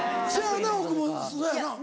そやろな。